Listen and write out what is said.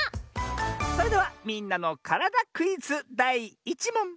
それでは「みんなのからだクイズ」だい１もん！